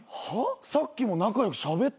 さっきも仲良くしゃべったじゃん。